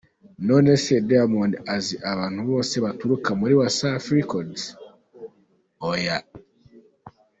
Nonese Diamond azi abantu bose baturuka muri Wasafi Records? Oya.